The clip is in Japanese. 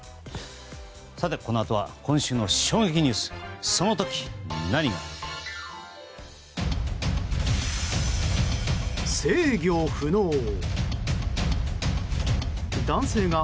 このあとは今週の衝撃ニュースその時、何が？